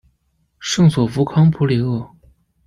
圣索弗康普里厄。